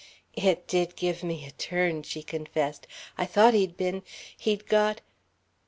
"It did give me a turn," she confessed; "I thought he'd been he'd got...."